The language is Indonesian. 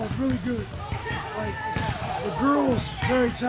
anak anaknya sangat berdaya